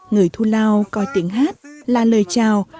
người thu lao coi tiếng hát là lời chào